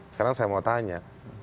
sekarang saya mau tanya